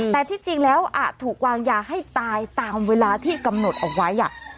แต่ที่จริงแล้วอาจถูกวางยาให้ตายตามเวลาที่กำหนดเอาไว้